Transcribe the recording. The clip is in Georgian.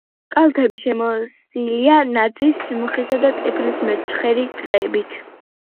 კალთები შემოსილია ნაძვის, მუხისა და წიფლის მეჩხერი ტყეებით.